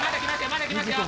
まだきますよ